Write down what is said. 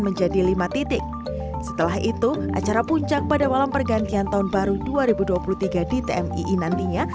menjadi lima titik setelah itu acara puncak pada malam pergantian tahun baru dua ribu dua puluh tiga di tmii nantinya